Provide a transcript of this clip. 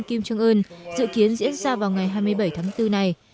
kim jong un dự kiến diễn ra vào ngày hai mươi bảy tháng bốn này